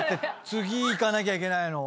次いかなきゃいけないのは。